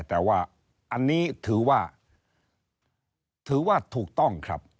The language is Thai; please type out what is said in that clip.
แต่ว่าอันนี้ถือว่าถูกต้องครับ